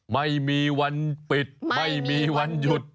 ไม่มีวันปิดไม่มีวันหยุด